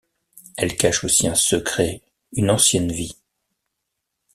Elle cache aussi un secret, une ancienne vie.